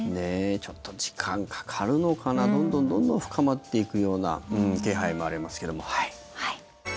ちょっと時間かかるのかなどんどん深まっていくような気配もありますけれども。